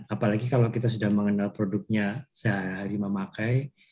apalagi kalau kita sudah mengenal produknya sehari memakai